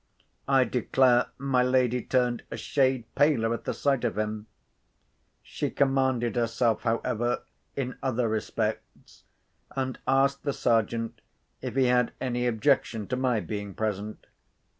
I declare my lady turned a shade paler at the sight of him! She commanded herself, however, in other respects, and asked the Sergeant if he had any objection to my being present.